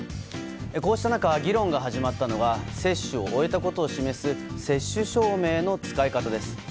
こうした中、議論が始まったのは接種を終えたことを示す接種証明の使い方です。